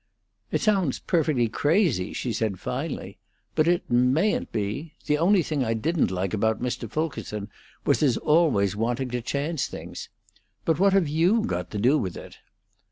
"It sounds perfectly crazy," she said, finally. "But it mayn't be. The only thing I didn't like about Mr. Fulkerson was his always wanting to chance things. But what have you got to do with it?"